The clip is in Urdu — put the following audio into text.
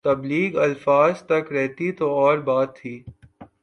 تبلیغ الفاظ تک رہتی تو اور بات تھی۔